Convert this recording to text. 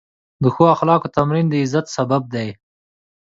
د ښو اخلاقو تمرین د عزت سبب دی.